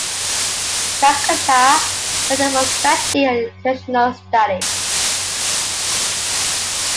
Jakarta: Centre for Strategic and International Studies.